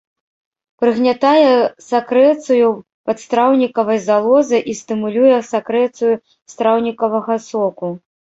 Прыгнятае сакрэцыю падстраўнікавай залозы і стымулюе сакрэцыю страўнікавага соку.